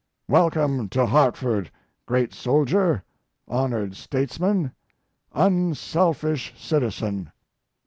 Welcome to Hartford, great soldier, honored statesman, unselfish citizen.